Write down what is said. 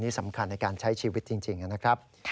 นี่สำคัญในการใช้ชีวิตจริงนะครับ